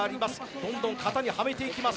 どんどん型にはめていきます。